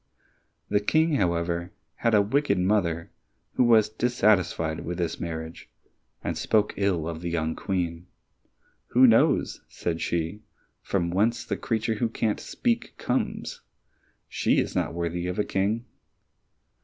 The King, however, had a wicked mother who was dissatisfied with this marriage and spoke ill of the young Queen. "Who knows," said she, "from whence the creature who can't speak, comes? She is not worthy of a king!"